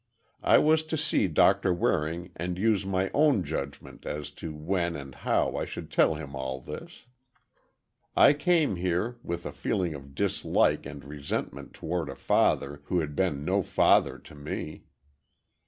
I was to see Doctor Waring and use my own judgment as to when and how I should tell him all this. "I came here, with a feeling of dislike and resentment toward a father who had been no father to me.